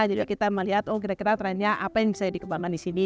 jadi kita melihat kira kira trennya apa yang bisa dikembangkan di sini